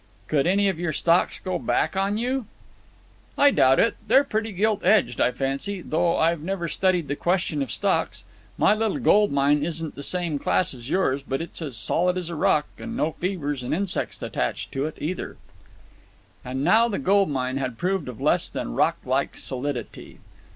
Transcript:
Could any of your stocks go back on you?" "I doubt it. They're pretty gilt edged, I fancy, though I've never studied the question of stocks. My little gold mine isn't in the same class with yours, but it's as solid as a rock, and no fevers and insects attached to it, either." And now the gold mine had proved of less than rock like solidity.